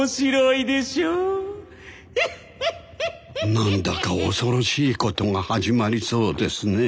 何だか恐ろしいことが始まりそうですね。